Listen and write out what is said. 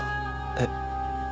えっ。